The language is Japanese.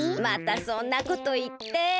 またそんなこといって。